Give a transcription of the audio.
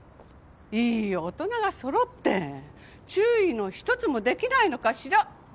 いい大人が揃って注意の一つもできないのかしら。